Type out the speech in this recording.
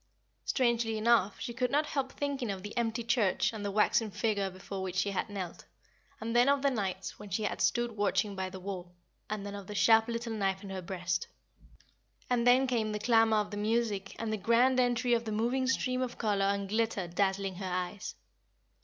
Strangely enough, she could not help thinking of the empty church and the waxen figure before which she had knelt, and then of the nights when she had stood watching by the wall, and then of the sharp little knife in her breast. And then came the clamor of the music and the grand entry of the moving stream of color and glitter dazzling her eyes.